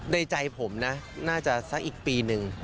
ในใจผมนะน่าจะสักอีกปีนึง